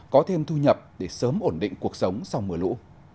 có thêm thu nhập để sớm ổn định cuộc sống sau mưa lũ